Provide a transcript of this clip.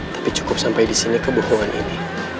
tapi cukup sampai di sini kebohongan ini